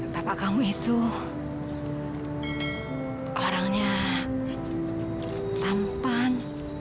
bapak kamu itu orangnya tampan